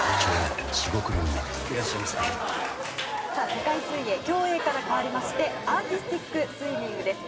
世界水泳競泳から変わりましてアーティスティックスイミングです。